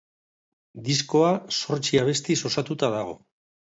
Diskoa zortzi abestiz osatuta dago.